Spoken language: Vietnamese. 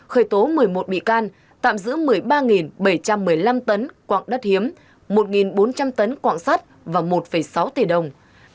khởi tố một mươi một bị can tạm giữ một mươi ba bảy trăm một mươi năm tấn quạng đất hiếm một bốn trăm linh tấn quạng sắt và một sáu tỷ đồng